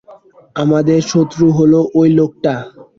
আমাদের শত্রু হলো ওই লোকটা।